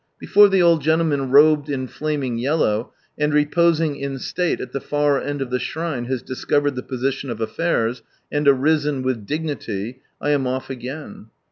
Before the old gentleman robed in flaming yellow, and reposing in state at the far end of the shrine, has discovered the position of affairs, and arisen with dignity, I am off again.